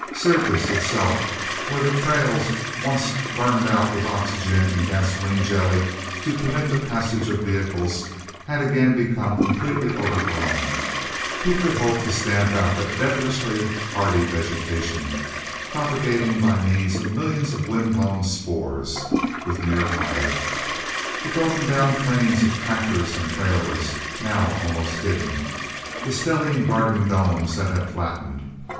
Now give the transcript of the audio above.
Syrtis, itself, where the trails, once burned out with oxygen and gasoline jelly to permit the passage of vehicles, had again become completely overgrown who could hope to stamp out that devilishly hardy vegetation, propagating by means of millions of windblown spores, with mere fire? The broken down trains of tractors and trailers, now almost hidden. The stellene garden domes that had flattened.